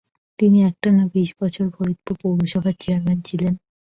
তিনি একটানা বিশ বছর ফরিদপুর পৌরসভার চেয়ারম্যান ছিলেন।